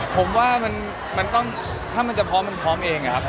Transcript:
ผมว่ามันต้องถ้ามันจะพร้อมมันพร้อมเองนะครับ